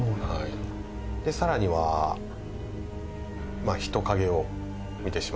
でさらには人影を見てしまった。